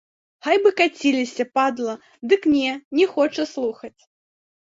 Хай бы каціліся, падла, дык не, не хоча слухаць.